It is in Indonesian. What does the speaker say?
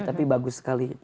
tapi bagus sekali